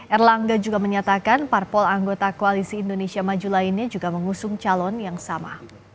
erlangga juga menyatakan parpol anggota koalisi indonesia maju lainnya juga mengusung calon yang sama